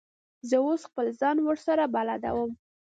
زه اوس خپله ځان ورسره بلدوم.